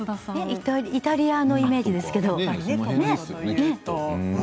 イタリアのイメージですけど。